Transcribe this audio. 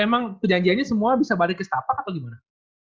emang perjanjiannya semua bisa balik ke setapak atau gimana